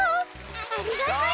ありがとう！